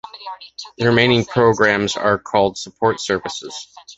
The remaining programs are called support services.